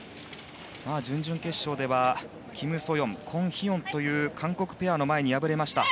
準々決勝ではキム・ソヨンコン・ヒヨンという韓国ペアの前に敗れました。